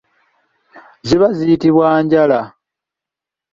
Ziba ziyitibwa njalaga.